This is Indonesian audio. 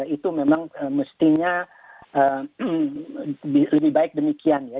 itu memang mestinya lebih baik demikian ya